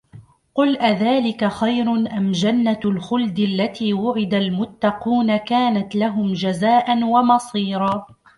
قُلْ أَذَلِكَ خَيْرٌ أَمْ جَنَّةُ الْخُلْدِ الَّتِي وُعِدَ الْمُتَّقُونَ كَانَتْ لَهُمْ جَزَاءً وَمَصِيرًا